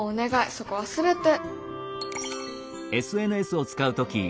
そこ忘れて。